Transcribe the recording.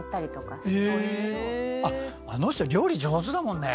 あっあの人料理上手だもんね。